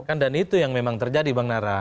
kan dan itu yang memang terjadi bang nara